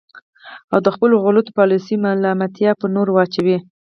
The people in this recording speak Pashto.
او د خپلو غلطو پالیسیو ملامتیا په نورو واچوي.